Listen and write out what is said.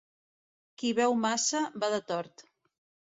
Qui beu massa, va de tort.